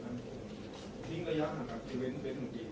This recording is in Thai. นี่ก็ยังหรือเป็นปี